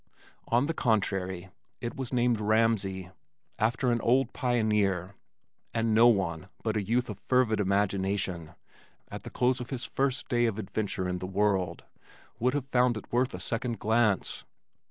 On the contrary, it was named Ramsey, after an old pioneer, and no one but a youth of fervid imagination at the close of his first day of adventure in the world would have found it worth a second glance.